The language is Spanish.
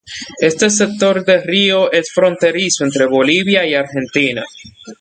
Este sector de río es fronterizo entre Bolivia y Argentina.